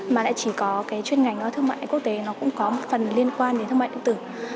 mà lại chỉ có cái chuyên ngành thương mại quốc tế nó cũng có một phần liên quan đến thương mại điện tử